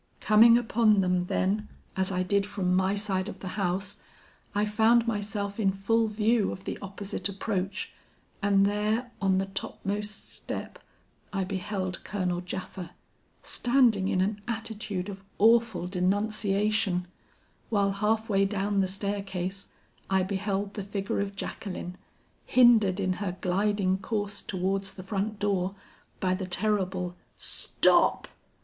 Coming upon them, then, as I did from my side of the house, I found myself in full view of the opposite approach, and there on the topmost step I beheld Colonel Japha, standing in an attitude of awful denunciation, while half way down the staircase, I beheld the figure of Jacqueline, hindered in her gliding course towards the front door by the terrible, 'Stop!'